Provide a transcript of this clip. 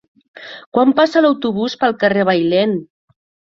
Quan passa l'autobús pel carrer Bailèn?